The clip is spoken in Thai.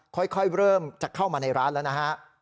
ค่อยเริ่มจะเข้ามาในร้านแล้วนะฮะ